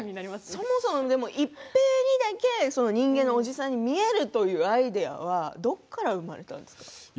そもそも、一平にだけ人間のおじさんに見えるというアイデアはどこから生まれたんですか？